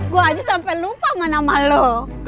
gua aja sampe lupa sama nama lu